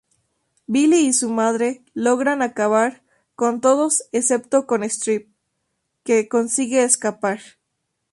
Billy y su madre logran acabar con todos excepto con Stripe, que consigue escapar.